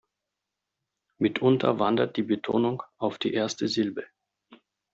Mitunter wandert die Betonung auf die erste Silbe.